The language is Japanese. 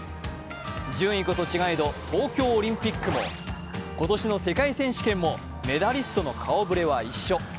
順位こそ違えど、東京オリンピックも、今年の世界選手権もメダリストの顔ぶれは一緒。